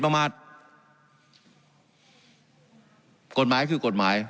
การปรับปรุงทางพื้นฐานสนามบิน